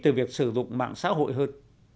từ việc sử dụng mạng xã hội hơn